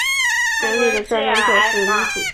它首创了中国历史上没有先例的战时教育事业。